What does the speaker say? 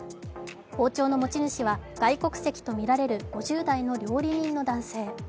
包丁の持ち主は外国籍とみられる５０代の料理人の男性。